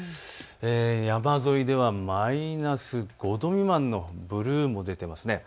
山沿いではマイナス５度未満のブルーも出ています。